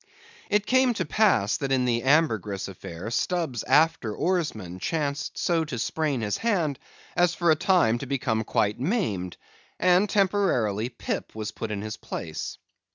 It came to pass, that in the ambergris affair Stubb's after oarsman chanced so to sprain his hand, as for a time to become quite maimed; and, temporarily, Pip was put into his place.